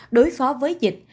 đối phó với dịch